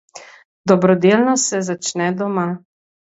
Dobrodelnost se začne doma.